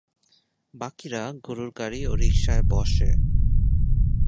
বাকিরা গরুর গাড়ি ও রিকশায় বসে।